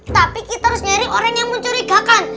tapi kita harus nyari orang yang mencurigakan